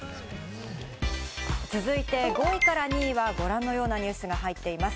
続いて５位から２位は、ご覧のようなニュースが入っています。